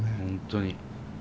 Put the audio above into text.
本当に。